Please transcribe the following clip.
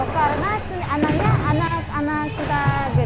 karena anaknya anak anak sudah gede